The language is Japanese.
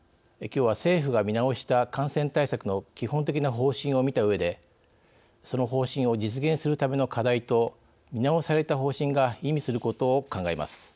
きょうは政府が見直した感染対策の基本的な方針を見たうえでその方針を実現するための課題と見直された方針が意味することを考えます。